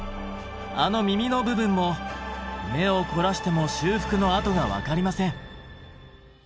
あの耳の部分も目を凝らしても修復の跡が分かりません。